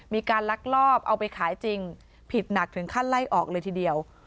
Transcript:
ลักลอบเอาไปขายจริงผิดหนักถึงขั้นไล่ออกเลยทีเดียว